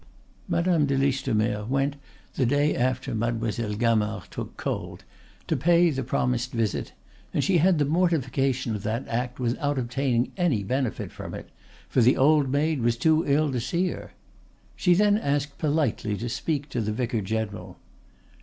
Madame de Listomere went the day after Mademoiselle Gamard took cold to pay the promised visit, and she had the mortification of that act without obtaining any benefit from it, for the old maid was too ill to see her. She then asked politely to speak to the vicar general.